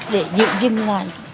để giữ gìn ngay